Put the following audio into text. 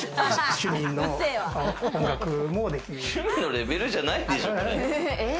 趣味のレベルじゃないでしょ。